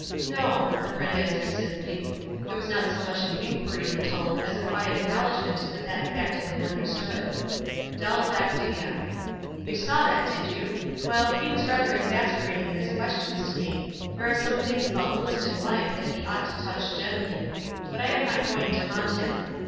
"No," her friend answered, simply. There was not so much an inquiry in the tone as a quiet acknowledgment that that fact had beeu understood. Dell laughed again. "You saw that, did } T ou? Well, he was rather exasperating in his questions to me. There are some things about Lewiston life that he ought to touch gently. But I am not going to haunt him."